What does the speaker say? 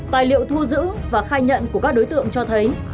tài liệu thu giữ và khai nhận của các đối tượng cho thấy